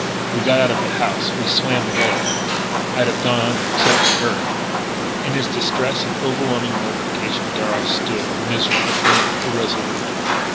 We got out of the house.... We swam the lake.... I'd have gone under except for her " In his distress and overwhelming mortification, Darragh stood miserable, mute, irresolute.